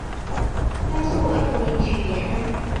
巴苏华奉命去延安。